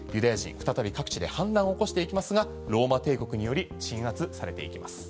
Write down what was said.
再び各地で反乱を起こしていきますがローマ帝国により鎮圧されていきます。